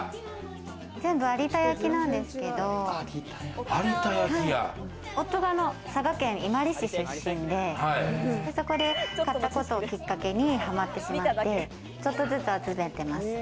全部、有田焼なんですけど、夫が佐賀県伊万里市出身で、そこで買ったことをきっかけに、はまってしまって、ちょっとずつ集めてます。